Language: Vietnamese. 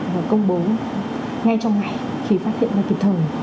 và công bố ngay trong ngày khi phát hiện ra kịp thời